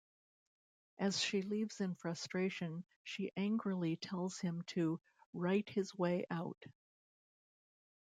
As she leaves in frustration, she angrily tells him to "write his way out".